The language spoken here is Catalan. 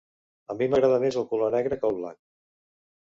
A mi m'agrada més el color negre que el blanc.